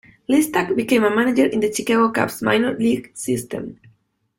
Listach became a manager in the Chicago Cubs minor league system.